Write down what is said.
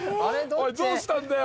おいどうしたんだよ？